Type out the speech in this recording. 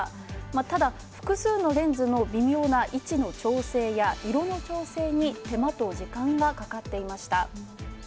ただ、複数のレンズの微妙な位置の調整や色の調整に手間と時間がかかっていました。